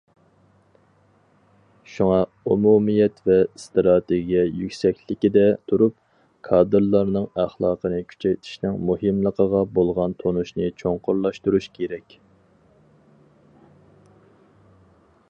شۇڭا ئومۇمىيەت ۋە ئىستراتېگىيە يۈكسەكلىكىدە تۇرۇپ، كادىرلارنىڭ ئەخلاقىنى كۈچەيتىشنىڭ مۇھىملىقىغا بولغان تونۇشنى چوڭقۇرلاشتۇرۇش كېرەك.